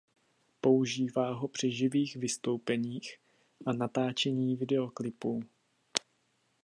Používá ho při živých vystoupeních a natáčení videoklipů.